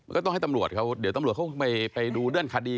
ก็ต้องให้ตำรวจเขาเดี๋ยวตำรวจเขาไปดูเรื่องคดี